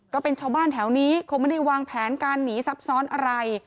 ก็เป็นชาวบ้านแถวนี้คงไม่ได้วางแผนการหนีซับซ้อนอะไร